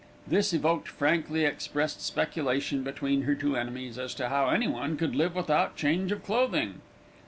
This evoked frankly expressed speculation between her two enemies as to how anyone could live without change of clothing.